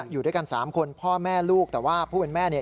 อยู่ด้วยกันสามคนพ่อแม่ลูกแต่ว่าผู้เป็นแม่เนี่ย